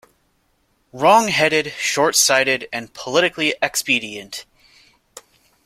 Wrongheaded, shortsighted, and politically expedient.